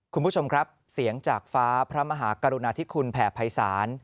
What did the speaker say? คุณผู้ชมครับเสียงจากฟ้าพระมหากรุณาธิคุณแผ่ภัยศาล